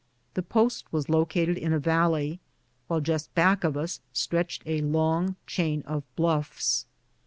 The post was located in a valley, while just back of us stretched a long chain of bluffs.